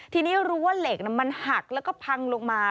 ทีนี้รู้ว่าเหล็กมันหักแล้วก็พังลงมา